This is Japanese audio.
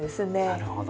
なるほど。